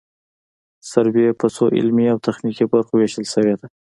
سروې په څو علمي او تخنیکي برخو ویشل شوې ده